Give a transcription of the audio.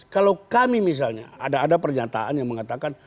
kalau kami misalnya ada pernyataan yang mengatakan